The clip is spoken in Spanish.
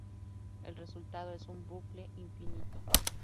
El resultado es un bucle infinito.